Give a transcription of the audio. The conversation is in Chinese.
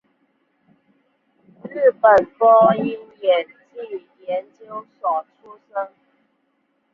日本播音演技研究所出身。